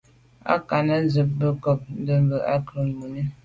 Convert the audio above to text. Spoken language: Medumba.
Â kɑ̂nə̄ ncóp zə mə̄ côb ndɛ̂mbə̄ mə̄ gə̀ rə̌ mùní.